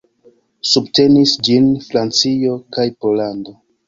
Subtenis ĝin Francio kaj Pollando.